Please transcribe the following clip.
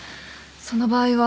その場合は。